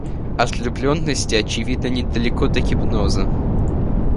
От влюбленности, очевидно, недалеко до гипноза.